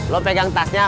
lo pegang tasnya